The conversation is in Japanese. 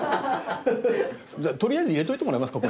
とりあえず入れておいてもらえますか？